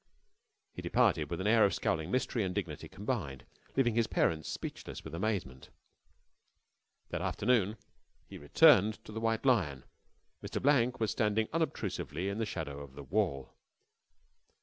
He departed with an air of scowling mystery and dignity combined, leaving his parents speechless with amazement. That afternoon he returned to the White Lion. Mr. Blank was standing unobtrusively in the shadow of the wall.